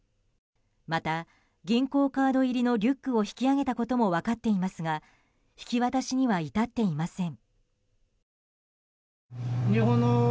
また、銀行カード入りのリュックを引き揚げたことも分かっていますが引き渡しには至っていません。